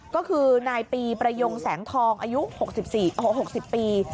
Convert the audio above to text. ก็คือนายปีประยงแสงทองอายุ๖๐ปี